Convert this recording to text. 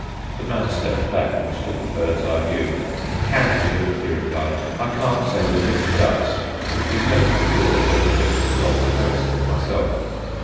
The man stepped back and took a bird's eye view. "Candidly," he replied, "I can't say that it does." He turned from George, and addressed himself to Harris and myself.